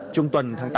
trong tuần tháng tám